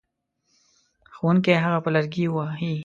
ښوونکی هغه په لرګي وهي.